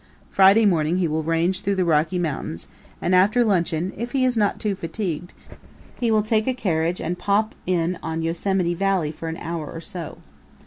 Friday morning he will range through the Rocky Mountains, and after luncheon, if he is not too fatigued, he will take a carriage and pop in on Yosemite Valley for an hour or so.